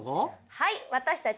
はい私たち